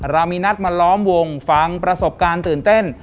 เรามีนัดมาล้อมวงฟังประสบการณ์ตื่นเต้น